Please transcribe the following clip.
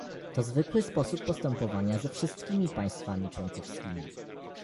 To zwykły sposób postępowania ze wszystkimi państwami członkowskimi